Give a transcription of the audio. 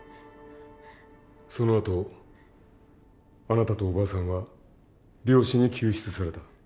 そのあとあなたとおばあさんは猟師に救出された。